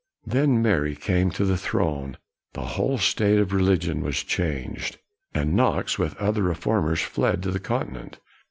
Then Mary came to the throne, the whole state of religion was changed, and Knox, with other re formers, fled to the continent.